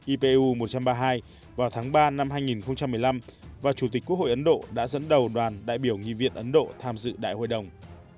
ipu một trăm ba mươi hai vào tháng ba năm hai nghìn một mươi năm và chủ tịch quốc hội ấn độ đã dẫn đầu đoàn đại biểu nghị viện ấn độ tham dự đại hội đồng